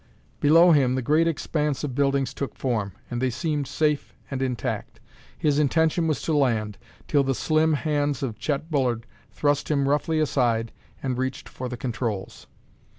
Below him the great expanse of buildings took form, and they seemed safe and intact. His intention was to land, till the slim hands of Chet Bullard thrust him roughly aside and reached for the controls.